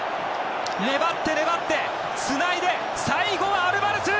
粘って粘ってつないで最後はアルバレス！